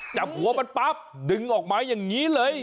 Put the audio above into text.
จับหัวมันปั๊บดึงออกมาอย่างนี้เลย